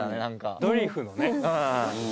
ドリフのね。